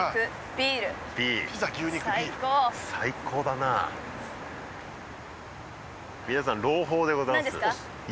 最高だな皆さん朗報でございます何ですか？